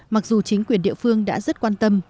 mặc dù chính quyền địa phương đã rất quan tâm